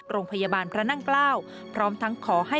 โรงพยาบาลพระนั่งเกล้าพร้อมทั้งขอให้